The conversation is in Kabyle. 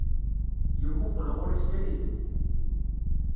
Yemmuqqel ɣur-i srid.